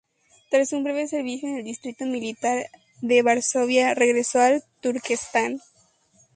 Tras un breve servicio en el distrito militar de Varsovia, regresó al Turquestán.